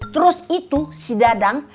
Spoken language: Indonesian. terus itu si dadang